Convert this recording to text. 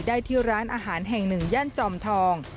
ได้ที่ร้านอาหารแห่งหนึ่งย่านจอมทอง